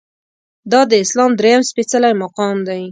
دا د اسلام درېیم سپیڅلی مقام دی.